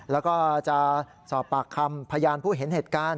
แล้วก็จะสอบปากคำพยานผู้เห็นเหตุการณ์